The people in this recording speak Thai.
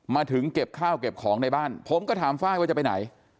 มาถึงเก็บข้าวเก็บของในบ้านผมก็ถามไฟล์ว่าจะไปไหน